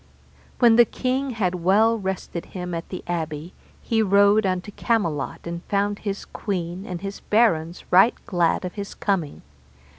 When the king had well rested him at the abbey, he rode unto Camelot, and found his queen and his barons right glad of his coming.